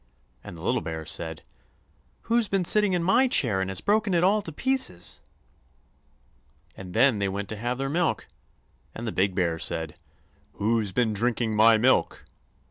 and the little bear said: "Who's been sitting in my chair and has broken it all to pieces?" And then they went to have their milk, and the big bear said: "WHO'S BEEN DRINKING MY MILK?"